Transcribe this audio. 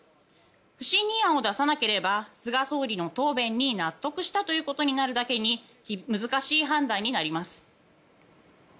不信任案を出さなければ菅総理の答弁に納得したことになるだけに難しい判断になります。